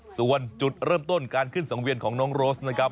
ส่วนจุดเริ่มต้นการขึ้นสังเวียนของน้องโรสนะครับ